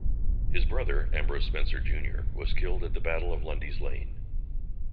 His brother, Ambrose Spencer, Junior was killed at the Battle of Lundy's Lane.